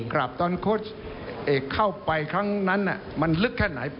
ครับตอนโค้ชเอกเข้าไปครั้งนั้นมันลึกแค่ไหน